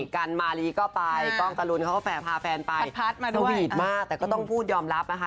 กันมารีก็ไปกล้องตะลุนเขาก็แฝดพาแฟนไปสวีทมากแต่ก็ต้องพูดยอมรับนะคะ